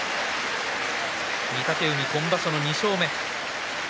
御嶽海、今場所の２勝目。